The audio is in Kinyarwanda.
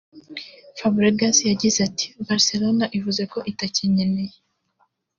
Fabregas yagize ati “Barcelona ivuze ko itakinkeneye